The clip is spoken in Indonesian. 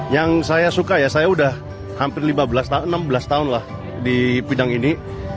yang saya suka ya saya sudah hampir enam belas tahun lah di bidang ini